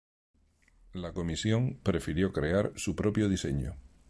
La comisión prefirió crear su propio diseño.